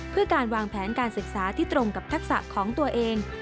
เพื่อการวางแผนการศึกษาที่ตรงกับทักษะของตัวเอง